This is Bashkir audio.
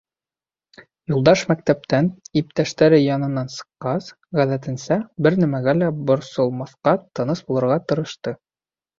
Юлдаш мәктәптән, иптәштәре янынан сыҡҡас, ғәҙәтенсә, бер нәмәгә лә борсолмаҫҡа, тыныс булырға тырышты.